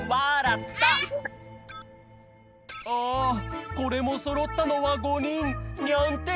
あこれもそろったのは５にん。